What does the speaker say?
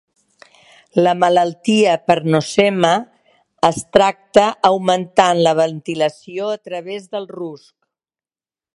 La malaltia per Nosema es tracta augmentant la ventilació a través del rusc.